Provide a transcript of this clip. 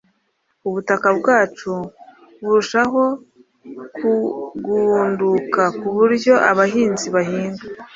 Ubutaka bwacu burushaho kugunduka ku buryo abahinzi bahinga